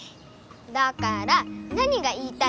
だから何が言いたいの？